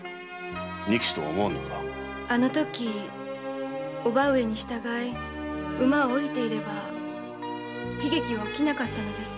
あのとき叔母上に従い馬を下りていれば悲劇は起きなかったのです。